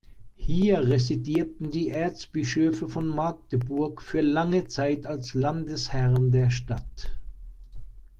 Hier residierten die Erzbischöfe von Magdeburg für lange Zeit als Landesherren der Stadt.